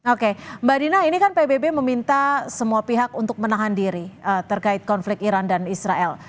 oke mbak dina ini kan pbb meminta semua pihak untuk menahan diri terkait konflik iran dan israel